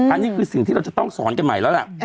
อันนี้คือสิ่งที่เราจะต้องสอนกันใหม่แล้วล่ะ